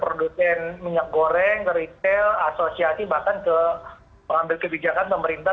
produsen minyak goreng ke retail asosiasi bahkan ke pengambil kebijakan pemerintah